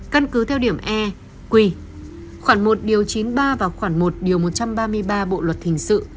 căn cứ theo điểm e quỳ khoảng một chín mươi ba và khoảng một một trăm ba mươi ba bộ luật thình sự